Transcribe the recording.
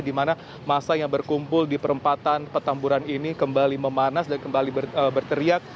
di mana masa yang berkumpul di perempatan petamburan ini kembali memanas dan kembali berteriak